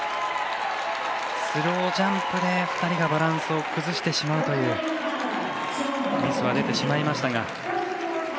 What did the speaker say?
スロージャンプで２人がバランスを崩してしまうというミスは出てしまいましたが。